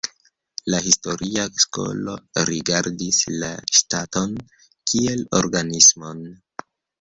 La historia skolo rigardis la ŝtaton kiel organismon.